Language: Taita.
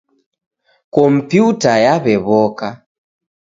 Kompyuta yaw'ew'oka.